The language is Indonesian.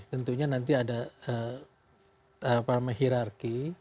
tentunya nanti ada apa namanya hirarki